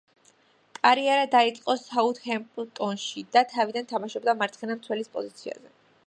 კარიერა დაიწყო „საუთჰემპტონში“ და თავიდან თამაშობდა მარცხენა მცველის პოზიციაზე.